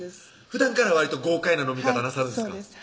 ふだんからわりと豪快な飲み方なさるんですか？